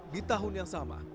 di tahun yang sama